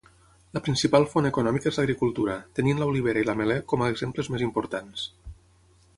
La principal font econòmica és l'agricultura, tenint l'olivera i l'ametller com a exemples més importants.